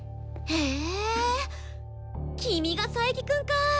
へえ君が佐伯くんか！